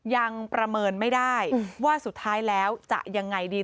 ยังประเมินไม่ได้ว่าสุดท้ายแล้วจะยังไงดี